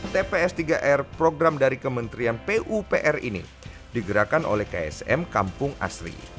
tps tiga r program dari kementerian pupr ini digerakkan oleh ksm kampung asri